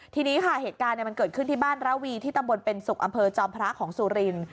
ทีนี้ค่ะเหตุการณ์มันเกิดขึ้นที่บ้านระวีที่ตำบลเป็นศุกร์อำเภอจอมพระของสุรินทร์